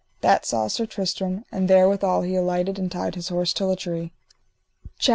That saw Sir Tristram, and therewithal he alighted and tied his horse till a tree. CHAPTER XIV.